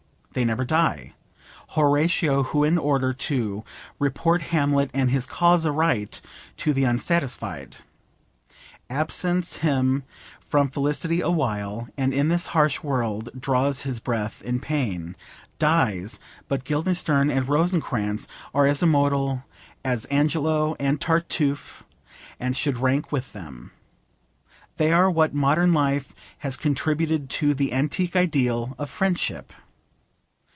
They never die. Horatio, who in order to 'report Hamlet and his cause aright to the unsatisfied,' 'Absents him from felicity a while, And in this harsh world draws his breath in pain,' dies, but Guildenstern and Rosencrantz are as immortal as Angelo and Tartuffe, and should rank with them. They are what modern life has contributed to the antique ideal of friendship.